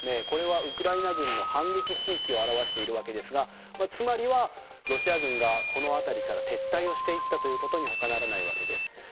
これはウクライナ軍の反撃地域を表しているわけですがつまりは、ロシア軍がこの辺りから撤退していったことに他ならないわけです。